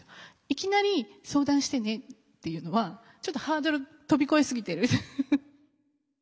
いきなり「相談してね」っていうのはちょっとハードル飛び越えすぎてる。